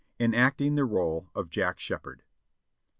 ENACTING THE ROLE OE JACK SHEPHERD.